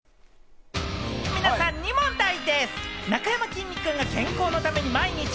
皆さんに問題でぃす。